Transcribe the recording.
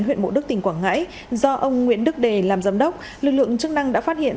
huyện mộ đức tỉnh quảng ngãi do ông nguyễn đức đề làm giám đốc lực lượng chức năng đã phát hiện